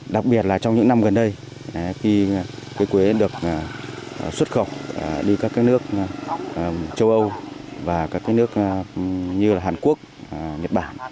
đặc biệt là trong những năm gần đây khi cây quế được xuất khọc đi các nước châu âu và các nước như hàn quốc nhật bản